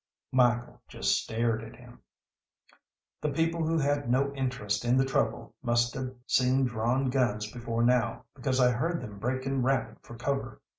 Michael just stared at him. The people who had no interest in the trouble must have seen drawn guns before now, because I heard them breaking rapid for cover.